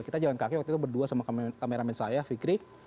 kita jalan kaki waktu itu berdua sama kameramen saya fikri